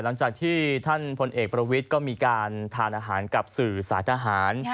หลังจากที่ท่านพลเอกประวิทย์ก็มีการทานอาหารกับสื่อสายทหาร